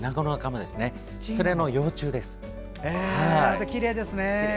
また、きれいですね。